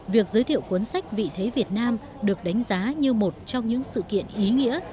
việc giới thiệu cuốn sách vị thế việt nam được đánh giá như một trong những sự kiện ý nghĩa